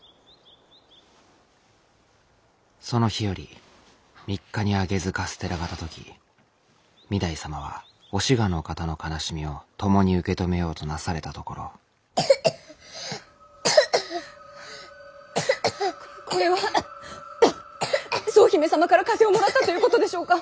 その日より３日に上げずカステラが届き御台様はお志賀の方の悲しみを共に受け止めようとなされたところこれは総姫様から風邪をもらったということでしょうか。